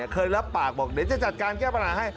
เคยรับปากบอกเดี๋ยวจะจัดการแก้ปัญหาให้